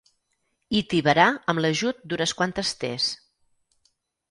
Hi tibarà amb l'ajut d'unes quantes tes.